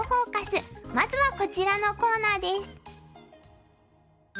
まずはこちらのコーナーです。